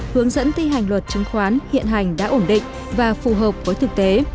hướng dẫn thi hành luật chứng khoán hiện hành đã ổn định và phù hợp với thực tế